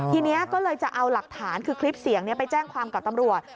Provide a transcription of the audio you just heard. ทีนี้ก็เลยจะเอาหลักฐานคือคลิปเสียงไปแจ้งความกับตำรวจ